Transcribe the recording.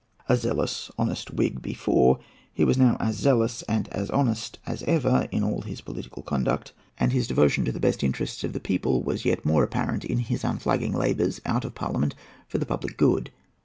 A zealous, honest Whig before, he was now as zealous and as honest as ever in all his political conduct. And his devotion to the best interests of the people was yet more apparent in his unflagging labours, out of Parliament, for the public good.